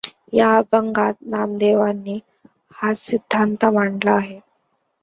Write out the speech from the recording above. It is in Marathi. या अभंगात नामदेवांनी हाच सिद्धान्त मांडला आहे.